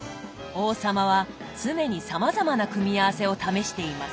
王様は常にさまざまな組み合わせを試しています。